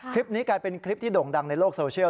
คลิปนี้กลายเป็นคลิปที่โด่งดังในโลกโซเชียล